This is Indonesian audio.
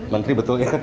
menteri betul ya